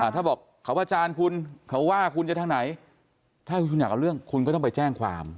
ถ้าบอกเขาอาจารย์คุณเขาว่าคุณจะทางไหนถ้าคุณอยากเอาเรื่องคุณก็ต้องไปแจ้งความ